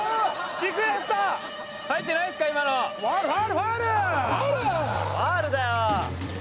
ファウルだよ！